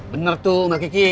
bener tuh mbak kiki